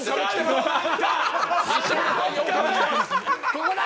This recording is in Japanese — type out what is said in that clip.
ここだ！